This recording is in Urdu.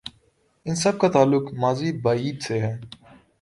ان سب کا تعلق ماضی بعید سے ہے۔